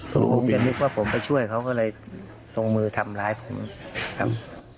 ผมจะนึกว่าผมไปช่วยเขาก็เลยลงมือทำร้ายผมครับ